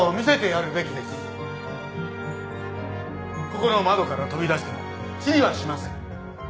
ここの窓から飛び出しても死にはしません。